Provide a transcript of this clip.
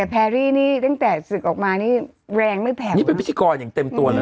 แพรรี่นี่ตั้งแต่ศึกออกมานี่แรงไม่แพงนี่เป็นพิธีกรอย่างเต็มตัวเลย